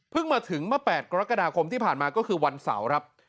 มาถึงเมื่อ๘กรกฎาคมที่ผ่านมาก็คือวันเสาร์ครับ